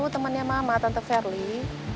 ini temennya mama tante verly